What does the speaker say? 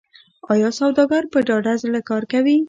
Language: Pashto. آیا سوداګر په ډاډه زړه کار کوي؟